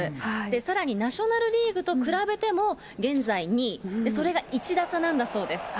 さらにナショナルリーグと比べても、現在２位、それが１打差なんだそうです。